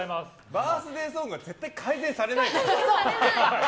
バースデーソングは絶対に改善されないでしょ。